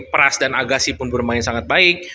pras dan agassi pun bermain sangat baik